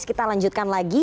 kita lanjutkan lagi